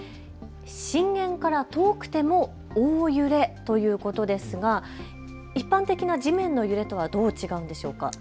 震源から遠くても大揺れということですが一般的な地面の揺れとはどう違うんでしょうか。